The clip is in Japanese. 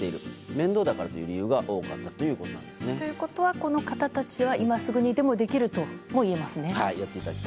面倒だからという理由が多かったということです。ということは、この方たちは今すぐにでもできるともいえますね。